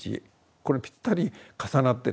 これぴったり重なってね。